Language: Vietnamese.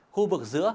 khu vực giữa